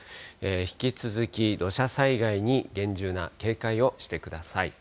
引き続き、土砂災害に厳重な警戒をしてください。